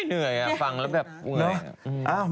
เหนื่อยฟังแล้วแบบเหนื่อย